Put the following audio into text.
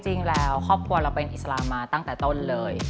จริงแล้วครอบครัวเราเป็นอิสลามมาตั้งแต่ต้นเลย